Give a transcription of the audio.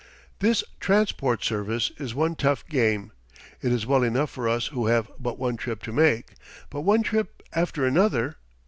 This transport service is one tough game. It is well enough for us who have but one trip to make. But one trip after another!